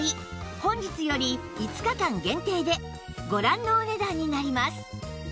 本日より５日間限定でご覧のお値段になります